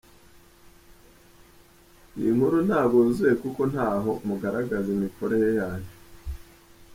iyinkuru ntabwo yuzuye kuko ntaho mugaragaza imikorere yayo.